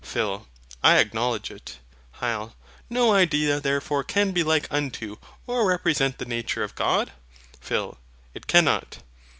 PHIL. I acknowledge it. HYL. No idea therefore can be like unto, or represent the nature of God? PHIL. It cannot.